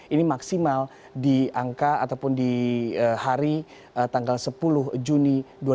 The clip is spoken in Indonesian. ini maksimal di angka ataupun di hari tanggal sepuluh juni dua ribu dua puluh